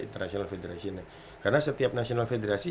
international federasi nya karena setiap national federasi